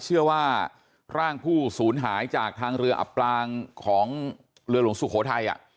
เชื่อว่าร่างผู้สูญหายจากทางเรืออับปลางของเรือหลวงสุโขทัย